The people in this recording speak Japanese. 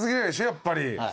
やっぱり。